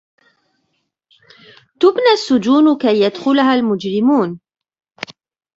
تُبْنَى السُّجُونُ كَيْ يَدْخُلَهَا الْمُجْرِمُونَ.